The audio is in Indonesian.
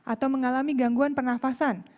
atau mengalami gangguan pernafasan